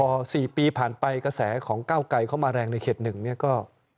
พอ๔ปีผ่านไปกระแสของก้าวไกรเข้ามาแรงในเขต๑เนี่ยก็